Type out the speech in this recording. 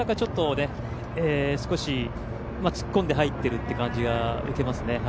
少し突っ込んで入っているという感じを受けますね。